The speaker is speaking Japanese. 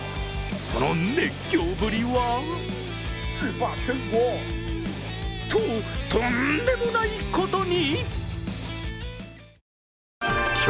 その熱狂ぶりはと、とんでもないことに！？